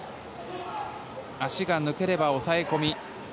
足が抜ければ抑え込み。